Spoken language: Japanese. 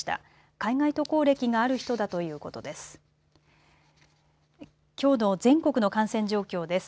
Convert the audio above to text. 海外渡航歴がある人だということです。